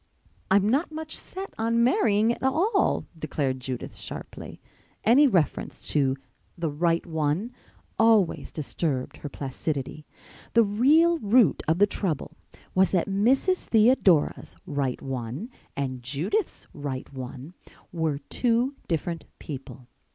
"I'm not much set on marrying at all," declared Judith sharply. Any reference to the "right one" always disturbed her placidity. The real root of the trouble was that Mrs. Theodora's "right one" and Judith's "right one" were two different people.